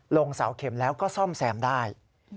ลงเสาเข็มแล้วก็ซ่อมแซมได้